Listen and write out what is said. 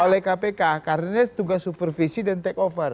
oleh kpk karena ini tugas supervisi dan take over